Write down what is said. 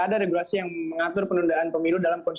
haris dulu mbak